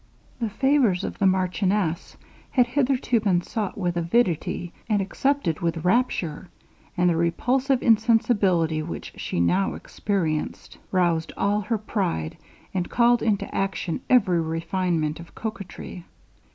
The favors of the marchioness had hitherto been sought with avidity, and accepted with rapture; and the repulsive insensibility which she now experienced, roused all her pride, and called into action every refinement of coquetry.